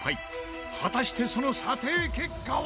果たしてその査定結果は！？